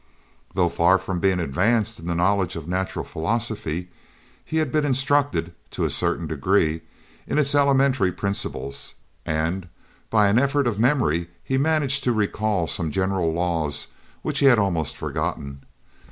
Though far from being advanced in the knowledge of natural philosophy, he had been instructed, to a certain degree, in its elementary principles; and, by an effort of memory, he managed to recall some general laws which he had almost forgotten.